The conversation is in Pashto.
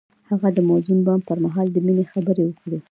هغه د موزون بام پر مهال د مینې خبرې وکړې.